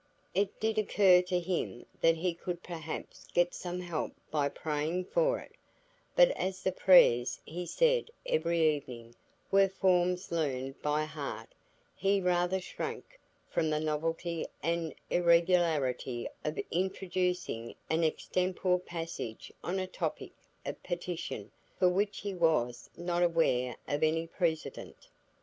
It did occur to him that he could perhaps get some help by praying for it; but as the prayers he said every evening were forms learned by heart, he rather shrank from the novelty and irregularity of introducing an extempore passage on a topic of petition for which he was not aware of any precedent.